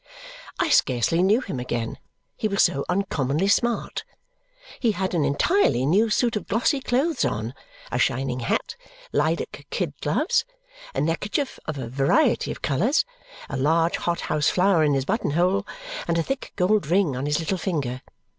I scarcely knew him again, he was so uncommonly smart. He had an entirely new suit of glossy clothes on, a shining hat, lilac kid gloves, a neckerchief of a variety of colours, a large hot house flower in his button hole, and a thick gold ring on his little finger.